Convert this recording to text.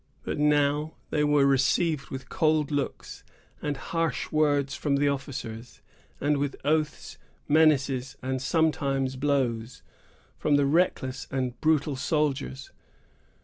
But now they were received with cold looks and harsh words from the officers, and with oaths, menaces, and sometimes blows, from the reckless and brutal soldiers.